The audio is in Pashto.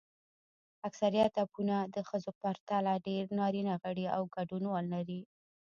اکثریت اپونه د ښځو پرتله ډېر نارینه غړي او ګډونوال لري.